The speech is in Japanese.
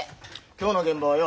今日の現場はよ